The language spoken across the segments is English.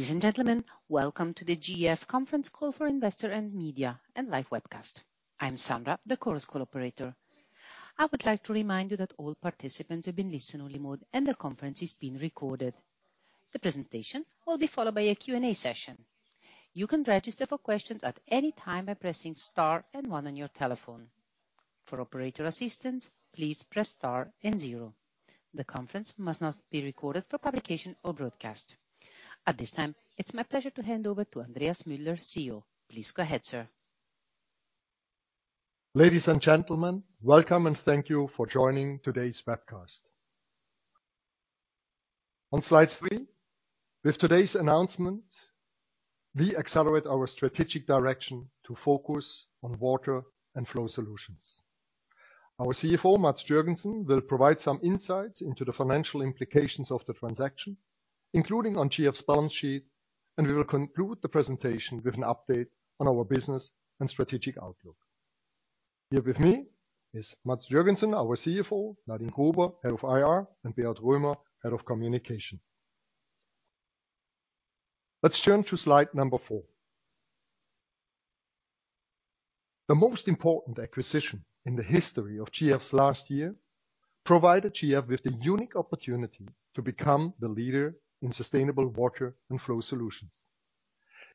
Ladies and gentlemen, welcome to the GF Conference Call for Investor and Media and Live Webcast. I'm Sandra, from Chorus Call. I would like to remind you that all participants have been placed in listen-only mode, and the conference is being recorded. The presentation will be followed by a Q&A session. You can register for questions at any time by pressing star and one on your telephone. For operator assistance, please press star and zero. The conference must not be recorded for publication or broadcast. At this time, it's my pleasure to hand over to Andreas Müller, CEO. Please go ahead, sir. Ladies and gentlemen, welcome and thank you for joining today's webcast. On slide three, with today's announcement, we accelerate our strategic direction to focus on water and flow solutions. Our CFO, Mads Joergensen, will provide some insights into the financial implications of the transaction, including on GF's balance sheet, and we will conclude the presentation with an update on our business and strategic outlook. Here with me is Mads Joergensen, our CFO, Nadine Gruber, Head of IR, and Beat Römer, Head of Communication. Let's turn to slide number four. The most important acquisition in the history of GF's last year provided GF with the unique opportunity to become the leader in sustainable water and flow solutions.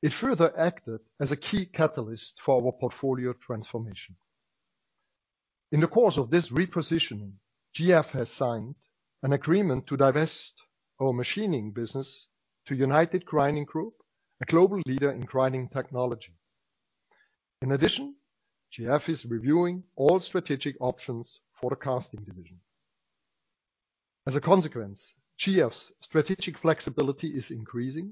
It further acted as a key catalyst for our portfolio transformation. In the course of this repositioning, GF has signed an agreement to divest our machining business to United Grinding Group, a global leader in grinding technology. In addition, GF is reviewing all strategic options for the casting division. As a consequence, GF's strategic flexibility is increasing,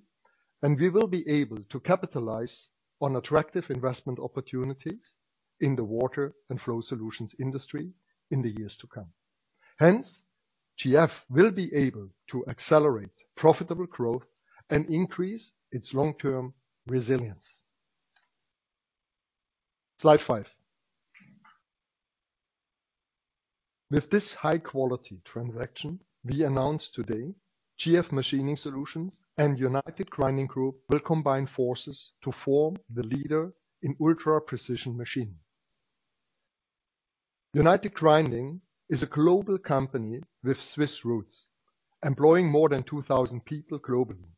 and we will be able to capitalize on attractive investment opportunities in the water and flow solutions industry in the years to come. Hence, GF will be able to accelerate profitable growth and increase its long-term resilience. Slide five. With this high-quality transaction, we announce today GF Machining Solutions and United Grinding Group will combine forces to form the leader in ultra-precision machining. United Grinding is a global company with Swiss roots, employing more than 2,000 people globally.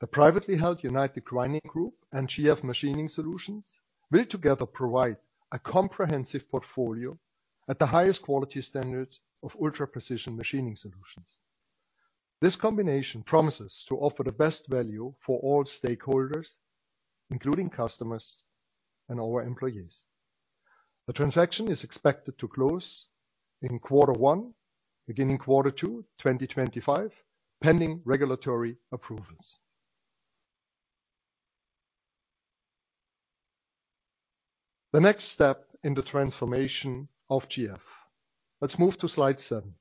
The privately held United Grinding Group and GF Machining Solutions will together provide a comprehensive portfolio at the highest quality standards of ultra-precision machining solutions. This combination promises to offer the best value for all stakeholders, including customers and our employees. The transaction is expected to close in quarter one, beginning quarter two 2025, pending regulatory approvals. The next step in the transformation of GF. Let's move to slide seven.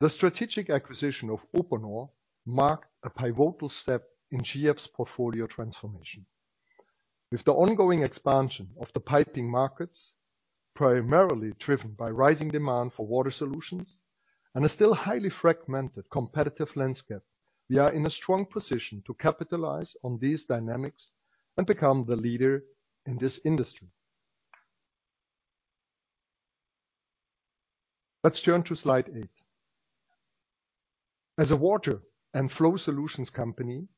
The strategic acquisition of Uponor marked a pivotal step in GF's portfolio transformation. With the ongoing expansion of the piping markets, primarily driven by rising demand for water solutions and a still highly fragmented competitive landscape, we are in a strong position to capitalize on these dynamics and become the leader in this industry. Let's turn to slide eight. As a water and flow solutions company,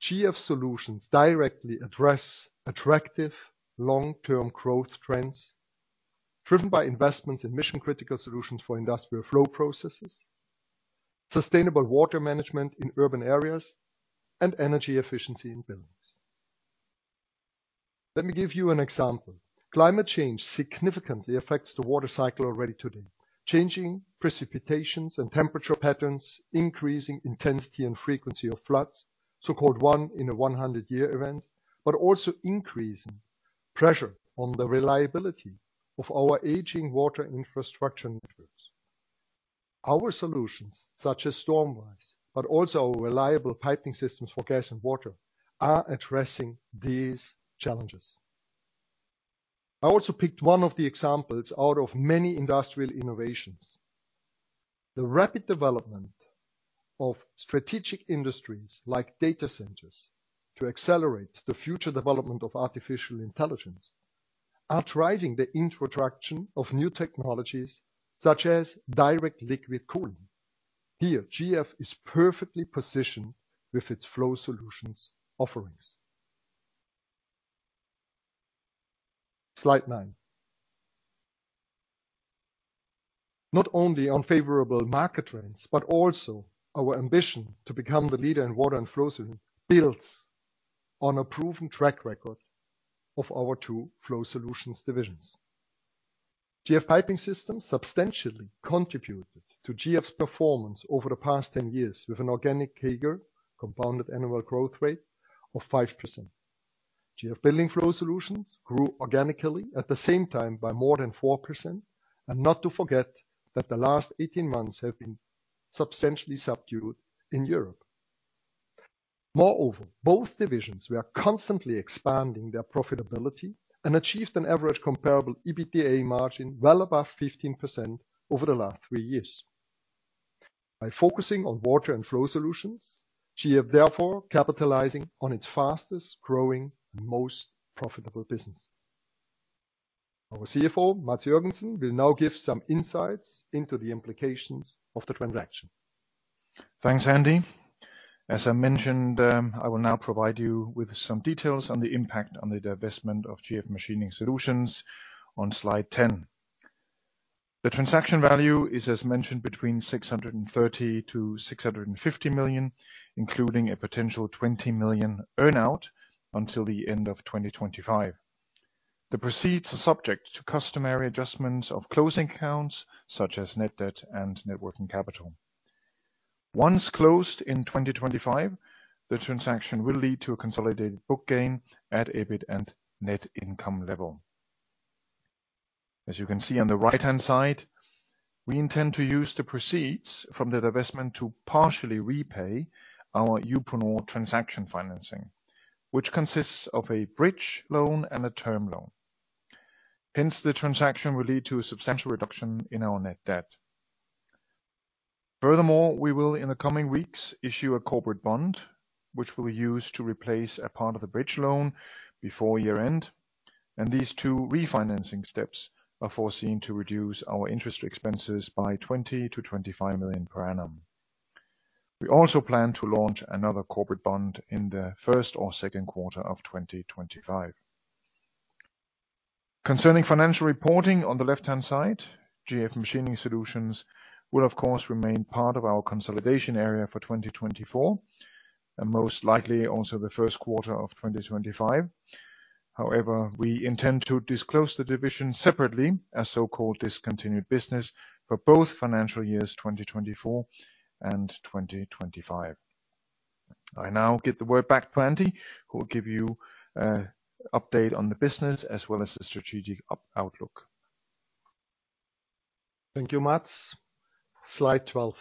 GF's solutions directly addresses attractive long-term growth trends driven by investments in mission-critical solutions for industrial flow processes, sustainable water management in urban areas, and energy efficiency in buildings. Let me give you an example. Climate change significantly affects the water cycle already today, changing precipitations and temperature patterns, increasing intensity and frequency of floods, so-called one-in-a-100-year events, but also increasing pressure on the reliability of our aging water infrastructure networks. Our solutions, such as Stormwise, but also our reliable piping systems for gas and water, are addressing these challenges. I also picked one of the examples out of many industrial innovations. The rapid development of strategic industries like data centers to accelerate the future development of artificial intelligence are driving the introduction of new technologies such as direct liquid cooling. Here, GF is perfectly positioned with its flow solutions offerings. Slide nine. Not only unfavorable market trends, but also our ambition to become the leader in water and flow solutions builds on a proven track record of our two flow solutions divisions. GF Piping Systems substantially contributed to GF's performance over the past 10 years with an organic CAGR, compounded annual growth rate of 5%. GF Building Flow Solutions grew organically at the same time by more than 4%, and not to forget that the last 18 months have been substantially subdued in Europe. Moreover, both divisions were constantly expanding their profitability and achieved an average comparable EBITDA margin well above 15% over the last three years. By focusing on water and flow solutions, GF therefore capitalizing on its fastest growing and most profitable business. Our CFO, Mads Joergensen, will now give some insights into the implications of the transaction. Thanks, Andy. As I mentioned, I will now provide you with some details on the impact on the divestment of GF Machining Solutions on slide 10. The transaction value is, as mentioned, between 630 million to 650 million, including a potential 20 million earnout until the end of 2025. The proceeds are subject to customary adjustments of closing accounts such as net debt and net working capital. Once closed in 2025, the transaction will lead to a consolidated book gain at EBIT and net income level. As you can see on the right-hand side, we intend to use the proceeds from the divestment to partially repay our Uponor transaction financing, which consists of a bridge loan and a term loan. Hence, the transaction will lead to a substantial reduction in our net debt. Furthermore, we will, in the coming weeks, issue a corporate bond, which will be used to replace a part of the bridge loan before year-end, and these two refinancing steps are foreseen to reduce our interest expenses by 20-25 million per annum. We also plan to launch another corporate bond in the first or second quarter of 2025. Concerning financial reporting on the left-hand side, GF Machining Solutions will, of course, remain part of our consolidation area for 2024, and most likely also the first quarter of 2025. However, we intend to disclose the division separately as so-called discontinued business for both financial years 2024 and 2025. I now get the word back to Andy, who will give you an update on the business as well as the strategic outlook. Thank you, Mads. Slide 12.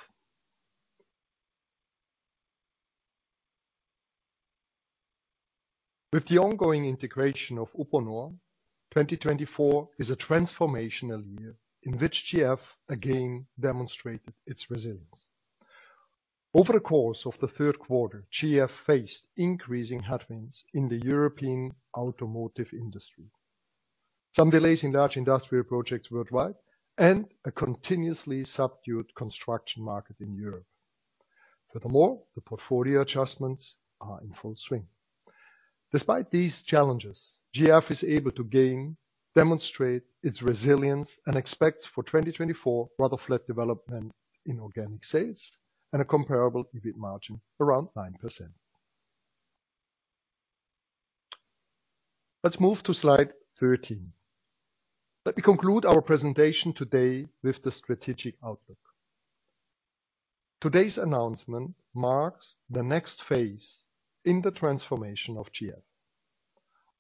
With the ongoing integration of Uponor, 2024 is a transformational year in which GF again demonstrated its resilience. Over the course of the third quarter, GF faced increasing headwinds in the European automotive industry, some delays in large industrial projects worldwide, and a continuously subdued construction market in Europe. Furthermore, the portfolio adjustments are in full swing. Despite these challenges, GF is able to gain, demonstrate its resilience, and expects for 2024 rather flat development in organic sales and a comparable EBIT margin around 9%. Let's move to slide 13. Let me conclude our presentation today with the strategic outlook. Today's announcement marks the next phase in the transformation of GF.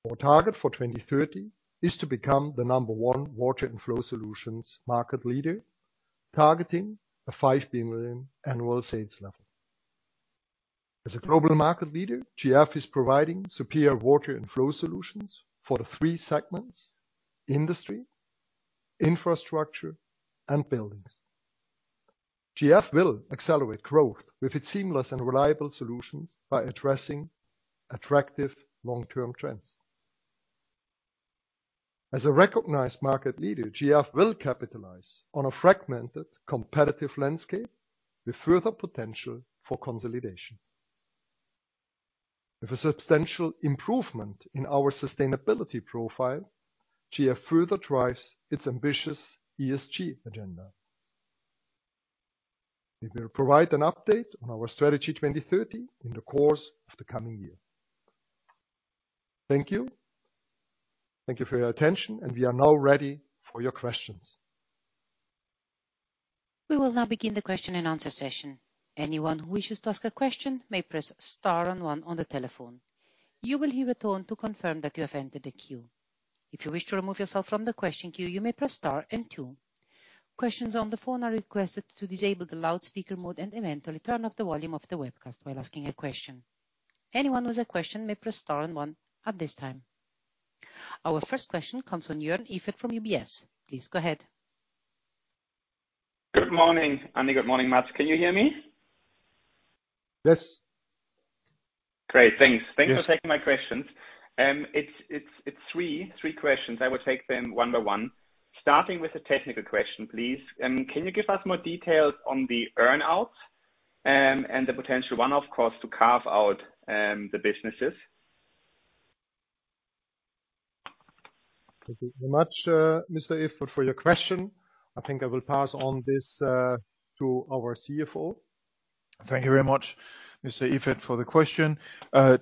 Our target for 2030 is to become the number one water and flow solutions market leader, targeting a 5 billion annual sales level. As a global market leader, GF is providing superior water and flow solutions for the three segments: industry, infrastructure, and buildings. GF will accelerate growth with its seamless and reliable solutions by addressing attractive long-term trends. As a recognized market leader, GF will capitalize on a fragmented competitive landscape with further potential for consolidation. With a substantial improvement in our sustainability profile, GF further drives its ambitious ESG agenda. We will provide an update on our Strategy 2030 in the course of the coming year. Thank you. Thank you for your attention, and we are now ready for your questions. We will now begin the question and answer session. Anyone who wishes to ask a question may press star and one on the telephone. You will hear a tone to confirm that you have entered the queue. If you wish to remove yourself from the question queue, you may press star and two. Questions on the phone are requested to disable the loudspeaker mode and eventually turn off the volume of the webcast while asking a question. Anyone with a question may press star and one at this time. Our first question comes from Joern Iffert from UBS. Please go ahead. Good morning, Andy. Good morning, Mads. Can you hear me? Yes. Great. Thanks. Thanks for taking my questions. It's three questions. I will take them one by one. Starting with a technical question, please. Can you give us more details on the earnout and the potential one-off cost to carve out the businesses? Thank you very much, Mr. Iffert, for your question. I think I will pass on this to our CFO. Thank you very much, Mr. Iffert, for the question.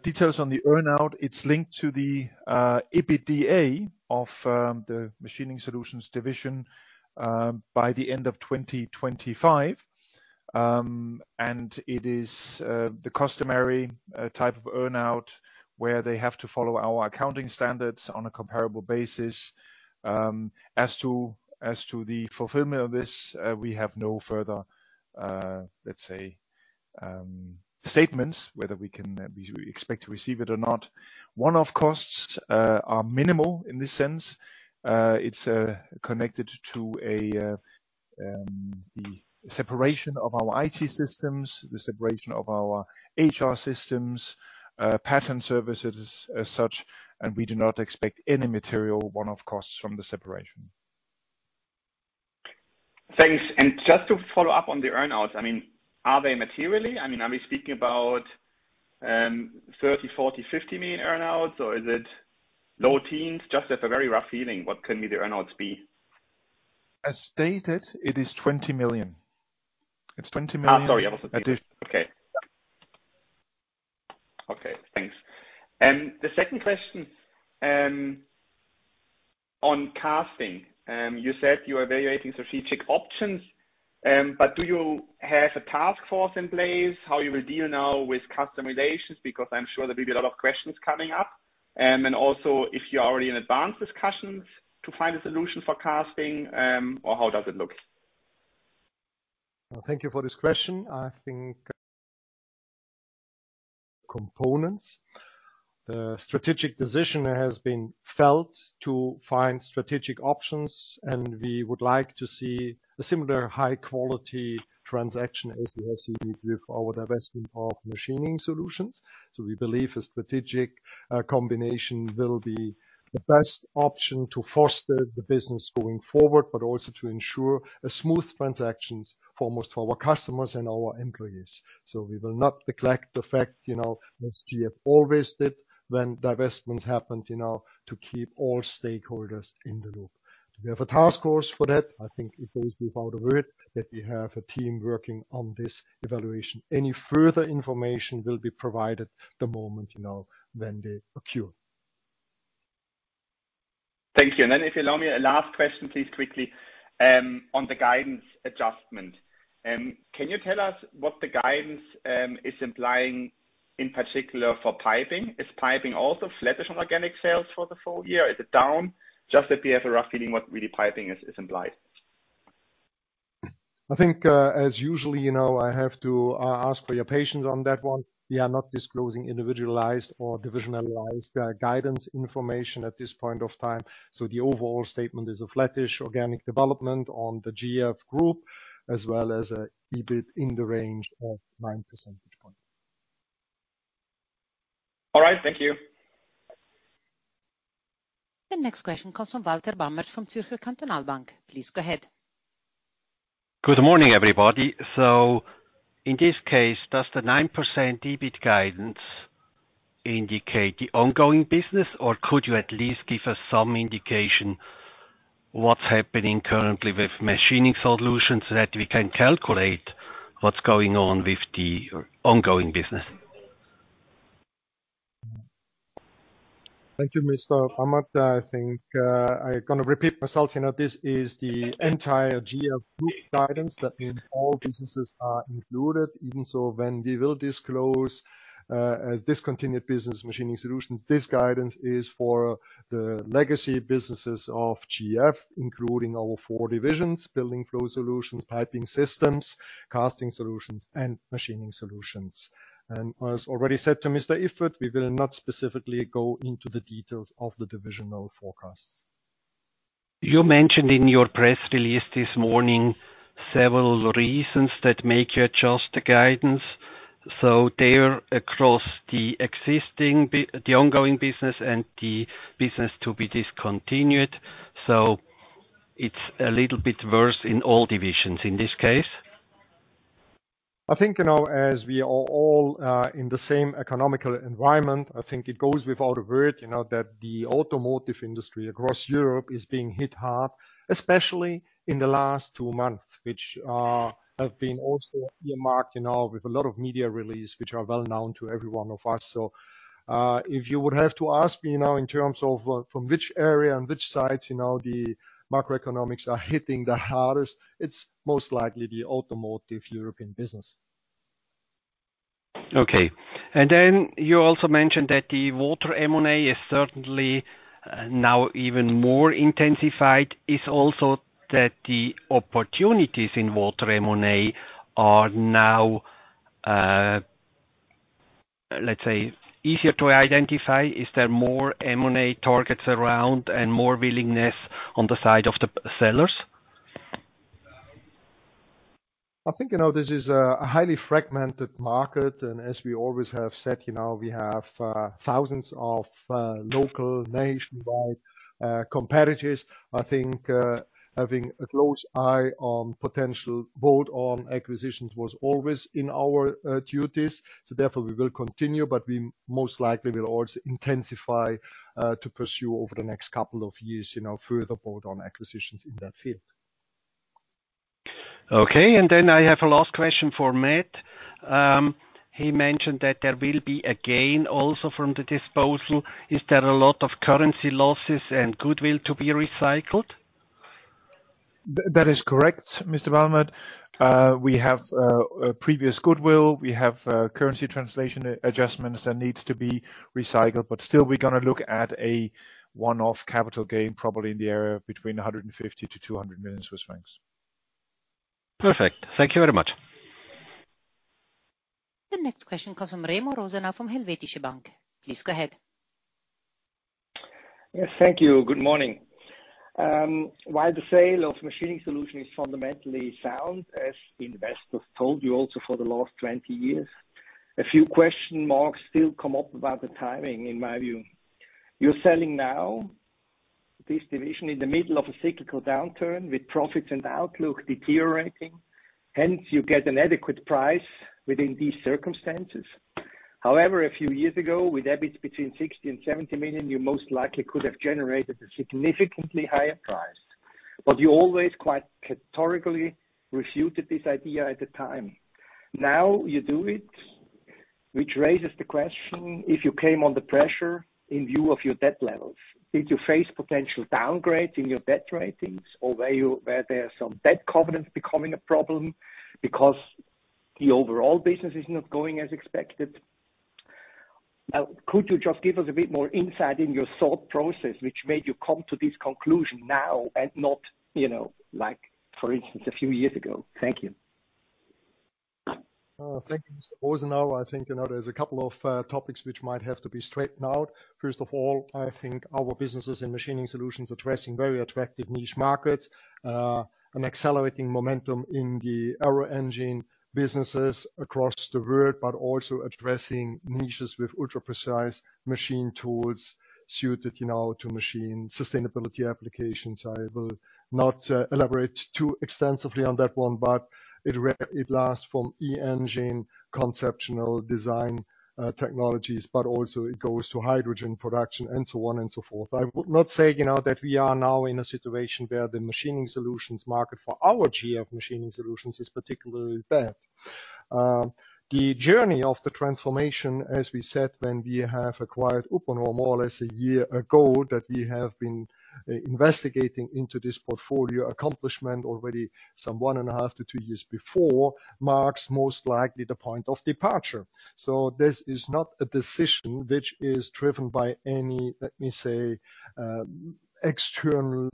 Details on the earnout, it's linked to the EBITDA of the machining solutions division by the end of 2025, and it is the customary type of earnout where they have to follow our accounting standards on a comparable basis. As to the fulfillment of this, we have no further, let's say, statements whether we expect to receive it or not. One-off costs are minimal in this sense. It's connected to the separation of our IT systems, the separation of our HR systems, patent services as such, and we do not expect any material one-off costs from the separation. Thanks. And just to follow up on the earnouts, I mean, are they material? I mean, are we speaking about 30 million, 40 million, 50 million earnouts, or is it low teens? Just to have a very rough feeling. What can the earnouts be? As stated, it is 20 million. It's 20 million. I'm sorry. I wasn't there. Okay. Thanks. The second question on casting. You said you are evaluating strategic options, but do you have a task force in place? How you will deal now with customer relations? Because I'm sure there will be a lot of questions coming up. And also, if you are already in advanced discussions to find a solution for casting, or how does it look? Thank you for this question. I think components. The strategic decision has been made to find strategic options, and we would like to see a similar high-quality transaction as we have seen with our divestment of Machining Solutions. So we believe a strategic combination will be the best option to foster the business going forward, but also to ensure smooth transitions for most of our customers and our employees. So we will not neglect the fact, as GF always did when divestments happened, to keep all stakeholders in the loop. We have a task force for that. I think it goes without saying that we have a team working on this evaluation. Any further information will be provided the moment when they occur. Thank you. And then if you allow me, a last question, please, quickly on the guidance adjustment. Can you tell us what the guidance is implying in particular for piping? Is piping also flattish on organic sales for the full year? Is it down? Just that we have a rough feeling what really piping is implied. I think, as usually, I have to ask for your patience on that one. We are not disclosing individualized or divisionalized guidance information at this point of time. So the overall statement is a flattish organic development on the GF group, as well as an EBIT in the range of 9 percentage points. All right. Thank you. The next question comes from Walter Bamert from Zürcher Kantonalbank. Please go ahead. Good morning, everybody. So in this case, does the 9% EBIT guidance indicate the ongoing business, or could you at least give us some indication what's happening currently with machining solutions that we can calculate what's going on with the ongoing business? Thank you, Mr. Bamert. I think I'm going to repeat myself. This is the entire GF group guidance that all businesses are included, even so when we will disclose discontinued business Machining Solutions. This guidance is for the legacy businesses of GF, including our four divisions: Building Flow Solutions, Piping Systems, Casting Solutions, and Machining Solutions. And as already said to Mr. Iffert, we will not specifically go into the details of the divisional forecasts. You mentioned in your press release this morning several reasons that make you adjust the guidance. So they're across the ongoing business and the business to be discontinued. So it's a little bit worse in all divisions in this case. I think as we are all in the same economic environment, I think it goes without a word that the automotive industry across Europe is being hit hard, especially in the last two months, which have been also earmarked with a lot of media releases, which are well known to everyone of us. So if you would have to ask me in terms of from which area and which sides the macroeconomics are hitting the hardest, it's most likely the automotive European business. Okay. And then you also mentioned that the water M&A is certainly now even more intensified. Is also that the opportunities in water M&A are now, let's say, easier to identify? Is there more M&A targets around and more willingness on the side of the sellers? I think this is a highly fragmented market, and as we always have said, we have thousands of local nationwide competitors. I think having a close eye on potential bolt-on acquisitions was always in our duties, so therefore, we will continue, but we most likely will also intensify to pursue over the next couple of years further bolt-on acquisitions in that field. Okay. And then I have a last question for Mads. He mentioned that there will be a gain also from the disposal. Is there a lot of currency losses and goodwill to be recycled? That is correct, Mr. Bamert. We have previous goodwill. We have currency translation adjustments that need to be recycled. But still, we're going to look at a one-off capital gain probably in the area between 150 million to 200 million Swiss francs. Perfect. Thank you very much. The next question comes from Remo Rosenau from Helvetische Bank. Please go ahead. Yes, thank you. Good morning. While the sale of machining solutions is fundamentally sound, as investors told you also for the last 20 years, a few question marks still come up about the timing, in my view. You're selling now this division in the middle of a cyclical downturn with profits and outlook deteriorating. Hence, you get an adequate price within these circumstances. However, a few years ago, with EBITDA between 60 million and 70 million, you most likely could have generated a significantly higher price. But you always quite categorically refuted this idea at the time. Now you do it, which raises the question if you came under pressure in view of your debt levels. Did you face potential downgrades in your debt ratings, or were there some debt covenants becoming a problem because the overall business is not going as expected? Could you just give us a bit more insight in your thought process, which made you come to this conclusion now and not, for instance, a few years ago? Thank you. Thank you, Mr. Rosenau. I think there's a couple of topics which might have to be straightened out. First of all, I think our businesses in machining solutions are addressing very attractive niche markets, an accelerating momentum in the e-engine businesses across the world, but also addressing niches with ultra-precise machine tools suited to machine sustainability applications. I will not elaborate too extensively on that one, but it starts from e-engine conceptual design technologies, but also it goes to hydrogen production and so on and so forth. I would not say that we are now in a situation where the machining solutions market for our GF Machining Solutions is particularly bad. The journey of the transformation, as we said, when we have acquired Uponor more or less a year ago, that we have been investigating into this portfolio accomplishment already some one and a half to two years before, marks most likely the point of departure. So this is not a decision which is driven by any, let me say, external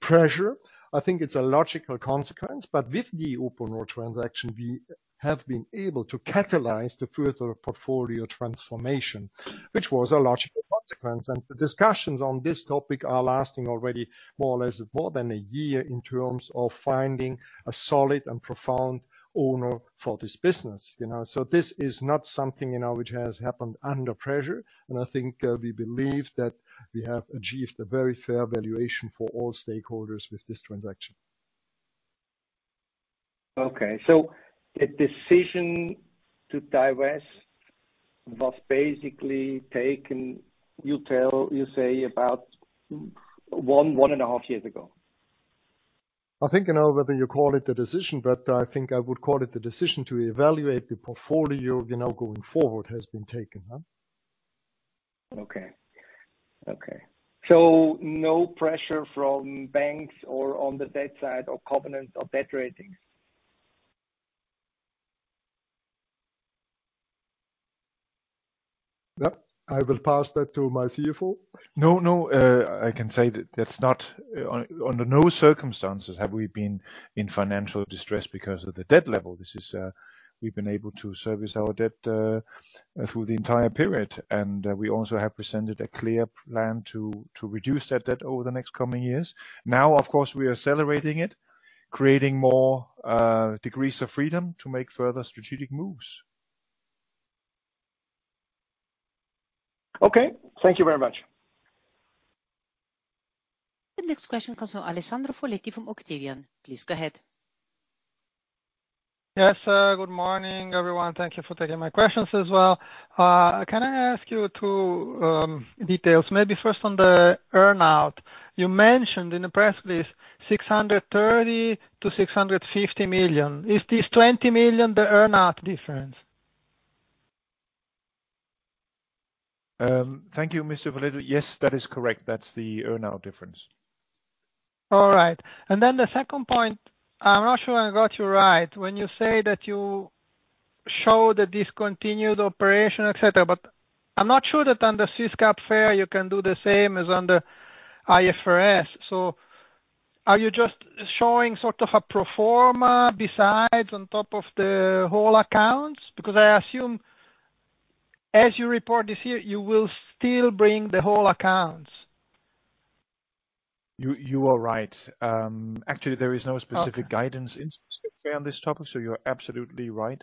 pressure. I think it's a logical consequence. But with the Uponor transaction, we have been able to catalyze the further portfolio transformation, which was a logical consequence. And the discussions on this topic are lasting already more or less more than a year in terms of finding a solid and profound owner for this business. So this is not something which has happened under pressure. And I think we believe that we have achieved a very fair valuation for all stakeholders with this transaction. Okay, so the decision to divest was basically taken, you say, about one and a half years ago. I think whether you call it the decision, but I think I would call it the decision to evaluate the portfolio going forward has been taken. Okay. Okay. So no pressure from banks or on the debt side or covenants or debt ratings? I will pass that to my CFO. No, no. I can say that that's not under no circumstances have we been in financial distress because of the debt level. We've been able to service our debt through the entire period. And we also have presented a clear plan to reduce that debt over the next coming years. Now, of course, we are accelerating it, creating more degrees of freedom to make further strategic moves. Okay. Thank you very much. The next question comes from Alessandro Foletti from Octavian. Please go ahead. Yes. Good morning, everyone. Thank you for taking my questions as well. Can I ask you two details? Maybe first on the earnout. You mentioned in the press release 630 million-650 million. Is this 20 million the earnout difference? Thank you, Mr. Foletti. Yes, that is correct. That's the earnout difference. All right. And then the second point, I'm not sure I got you right. When you say that you show the discontinued operation, etc., but I'm not sure that under Swiss GAAP FER, you can do the same as under IFRS. So are you just showing sort of a pro forma basis on top of the whole accounts? Because I assume as you report this year, you will still bring the whole accounts. You are right. Actually, there is no specific guidance in Swiss GAAP FER on this topic. So you're absolutely right,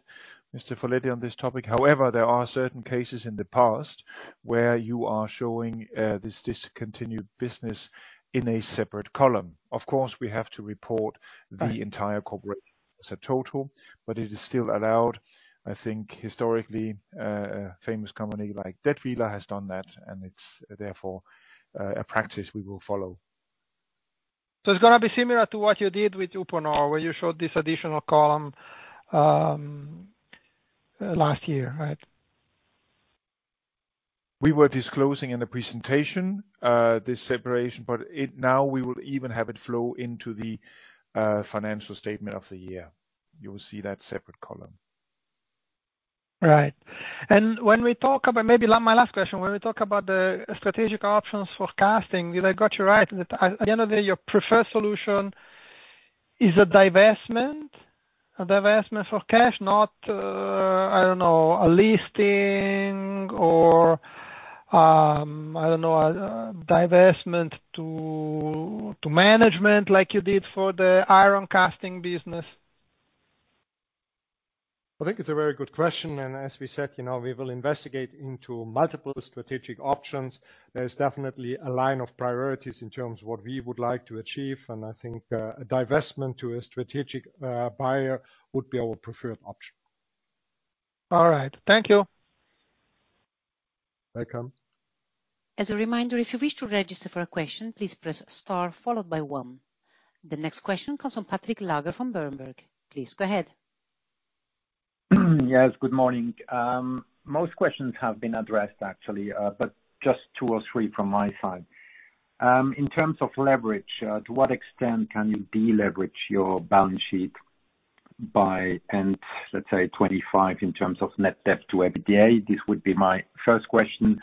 Mr. Foletti, on this topic. However, there are certain cases in the past where you are showing this discontinued business in a separate column. Of course, we have to report the entire corporation as a total, but it is still allowed. I think historically, a famous company like Dätwyler has done that, and it's therefore a practice we will follow. So it's going to be similar to what you did with Uponor, where you showed this additional column last year, right? We were disclosing in the presentation this separation, but now we will even have it flow into the financial statement of the year. You will see that separate column. Right. And when we talk about maybe my last question, when we talk about the strategic options for casting, did I got you right? At the end of the day, your preferred solution is a divestment for cash, not, I don't know, a listing or, I don't know, a divestment to management like you did for the iron casting business? I think it's a very good question. And as we said, we will investigate into multiple strategic options. There's definitely a line of priorities in terms of what we would like to achieve. And I think a divestment to a strategic buyer would be our preferred option. All right. Thank you. Welcome. As a reminder, if you wish to register for a question, please press star followed by one. The next question comes from Patrick Laager from Berenberg. Please go ahead. Yes. Good morning. Most questions have been addressed, actually, but just two or three from my side. In terms of leverage, to what extent can you deleverage your balance sheet by, let's say, 25 in terms of net debt to EBITDA? This would be my first question.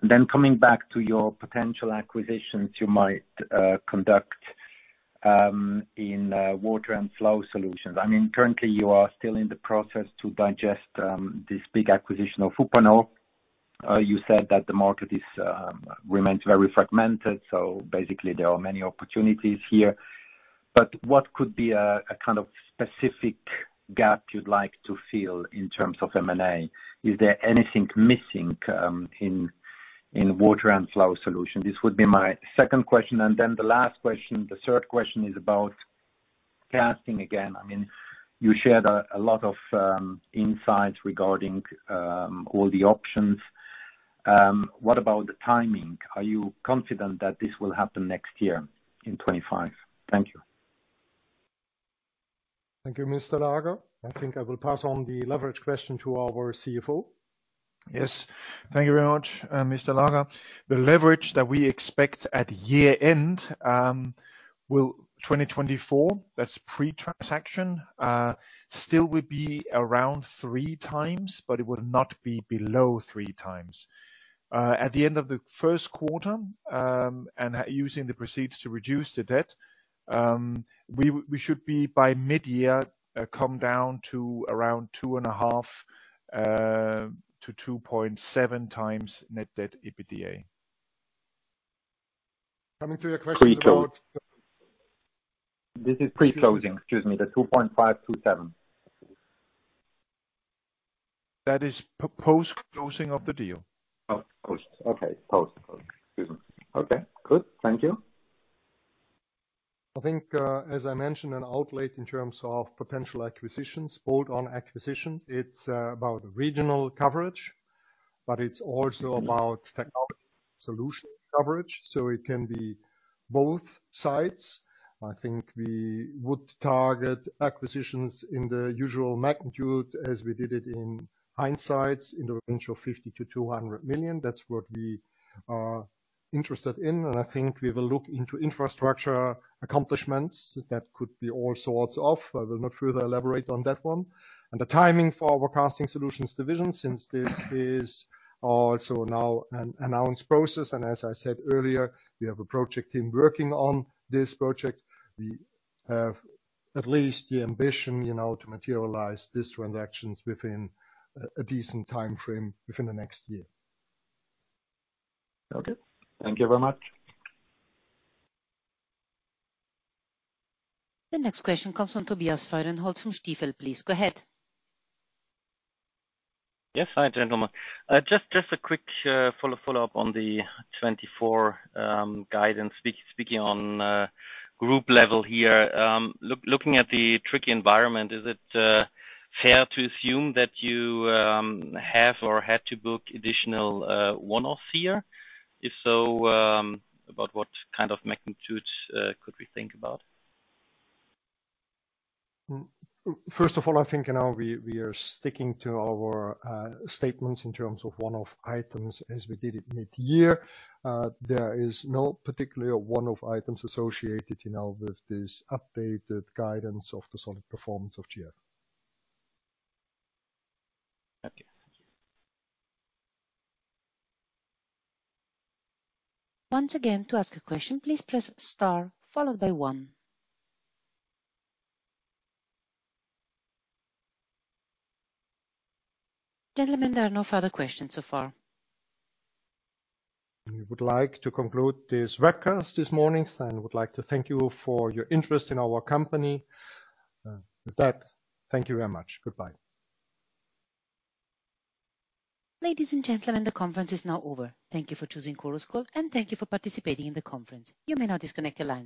And then coming back to your potential acquisitions you might conduct in water and flow solutions. I mean, currently, you are still in the process to digest this big acquisition of Uponor. You said that the market remains very fragmented. So basically, there are many opportunities here. But what could be a kind of specific gap you'd like to fill in terms of M&A? Is there anything missing in water and flow solutions? This would be my second question. And then the last question, the third question is about casting again. I mean, you shared a lot of insights regarding all the options. What about the timing? Are you confident that this will happen next year in 2025? Thank you. Thank you, Mr. Laager. I think I will pass on the leverage question to our CFO. Yes. Thank you very much, Mr. Laager. The leverage that we expect at year-end 2024, that's pre-transaction, still would be around three times, but it would not be below three times. At the end of the first quarter, and using the proceeds to reduce the debt, we should be by mid-year come down to around two and a half to 2.7 times net debt EBITDA. Coming to your question about. Pre-closing. This is pre-closing. Excuse me. The 2.527. That is post-closing of the deal. Post. Okay. Post. Excuse me. Okay. Good. Thank you. I think, as I mentioned, an outlay in terms of potential acquisitions, bolt-on acquisitions. It's about regional coverage, but it's also about technology solution coverage. So it can be both sides. I think we would target acquisitions in the usual magnitude as we did it in hindsight in the range of 50 million-200 million. That's what we are interested in, and I think we will look into infrastructure complements. That could be all sorts of. I will not further elaborate on that one, and the timing for our Casting Solutions division, since this is also now an announced process, and as I said earlier, we have a project team working on this project. We have at least the ambition to materialize these transactions within a decent time frame within the next year. Okay. Thank you very much. The next question comes from Tobias Fahrenholz from Stifel, please. Go ahead. Yes, hi gentlemen. Just a quick follow-up on the 2024 guidance, speaking on group level here. Looking at the tricky environment, is it fair to assume that you have or had to book additional one-offs here? If so, about what kind of magnitude could we think about? First of all, I think we are sticking to our statements in terms of one-off items as we did it mid-year. There is no particular one-off items associated with this updated guidance of the solid performance of GF. Okay. Thank you. Once again, to ask a question, please press star followed by one. Gentlemen, there are no further questions so far. We would like to conclude this webcast this morning and would like to thank you for your interest in our company. With that, thank you very much. Goodbye. Ladies and gentlemen, the conference is now over. Thank you for choosing Chorus Call, and thank you for participating in the conference. You may now disconnect the line.